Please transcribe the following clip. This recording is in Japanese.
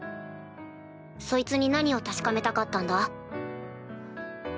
そいつに何を確かめたかったんだ？